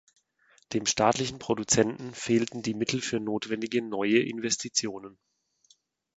Dem staatlichen Produzenten fehlten die Mittel für notwendige neue Investitionen.